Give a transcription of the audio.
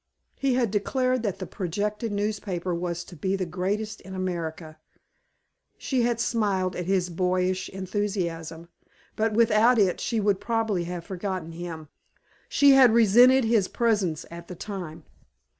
He had declared that the projected newspaper was to be the greatest in America. She had smiled at his boyish enthusiasm, but without it she would probably have forgotten him. She had resented his presence at the time.